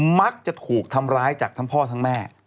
มักจะถูกทำร้ายจากทั้งพ่อทั้งแม่